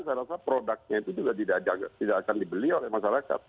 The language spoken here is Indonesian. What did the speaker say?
saya rasa produknya itu juga tidak akan dibeli oleh masyarakat